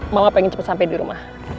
mama pengen cepet sampe di rumah